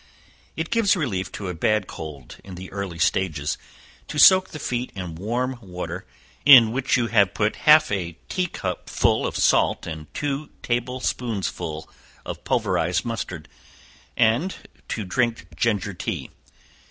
It gives relief to a bad cold in the early stages, to soak the feet in warm water, in which you have put half a tea cup of salt and two table spoonsful of pulverized mustard, and to drink ginger tea.